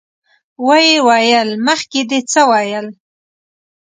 ويې ويل: مخکې دې څه ويل؟